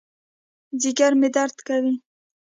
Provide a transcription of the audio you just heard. ځېګر مې درد کوي